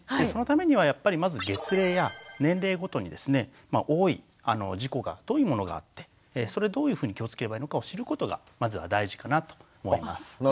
そのためにはやっぱりまず月齢や年齢ごとにですね多い事故がどういうものがあってどういうふうに気をつければいいのかを知ることがまずは大事かなと思います。